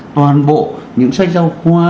toàn bộ những sách giao khoa